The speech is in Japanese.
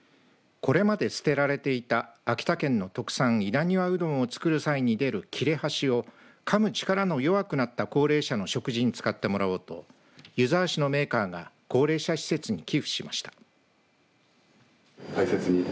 これまで捨てられていた秋田県の特産、稲庭うどんを作る際に出る切れ端をかむ力の弱くなった高齢者の食事に使ってもらおうと湯沢市のメーカーが高齢者施設に寄付しました。